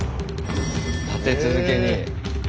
立て続けに。